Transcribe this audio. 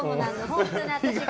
本当に私が。